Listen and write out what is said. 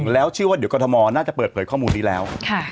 แล้วเชื่อว่าเดี๋ยวกรทมน่าจะเปิดเผยข้อมูลนี้แล้ว